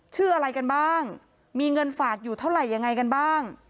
ชื่ออะไรกันบ้างมีเงินฝากอยู่เท่าไหร่ยังไงกันบ้าง